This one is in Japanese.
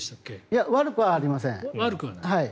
いや、悪くはありません。